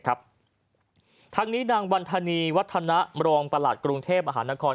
ทางนี้นางบรรษณีย์วัฒนามรองประหลาดกรุงเทพฯอาหารณคร